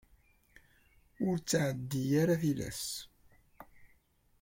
Ur ttɛeddi ara tilas.